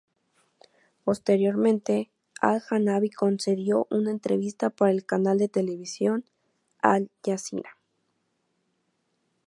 Posteriormente, Al-Janabi concedió una entrevista para el canal de televisión Al Jazeera.